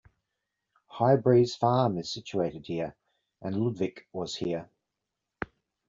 High Breeze Farm is situated here... and Ludwik was here.